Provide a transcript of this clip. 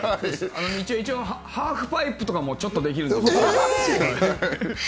ハーフパイプとかもちょっとできるんですよ。